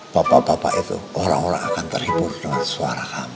bapak bapak itu orang orang akan terhibur dengan suara kami